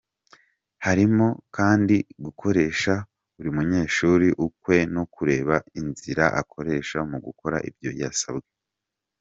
Harimo kandi gukoresha buri munyeshuri ukwe no kureba inzira akoresha mu gukora ibyo yasabwe.